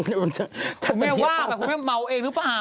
คุณแม่ว่าปะคุณแม่าเมาเองรึปั๊ะ